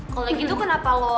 kalo gitu kenapa lo